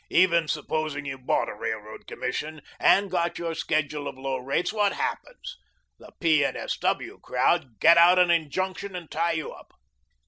"Even supposing you bought a Railroad Commission and got your schedule of low rates, what happens? The P. and S. W. crowd get out an injunction and tie you up."